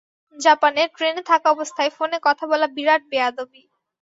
জাপানে ট্রেনে থাকা অবস্থায় ফোনে কথা বলা বিরাট বেয়াদবি।